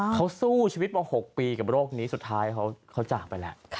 เขาสู้ชีวิตมา๖ปีกับโรคนี้สุดท้ายเขาจากไปแล้ว